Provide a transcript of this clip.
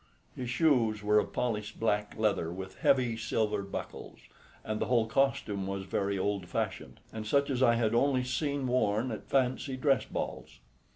His shoes were of polished black leather with heavy silver buckles, and the whole costume was very old fashioned, and such as I had only seen worn at fancy dress balls.